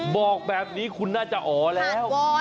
บอกแบบนี้คุณน่าจะอ๋อแล้ว